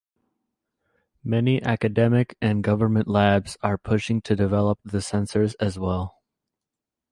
Many academic and government labs are pushing to develop the sensors as well.